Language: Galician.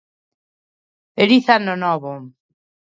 Feliz ano novo.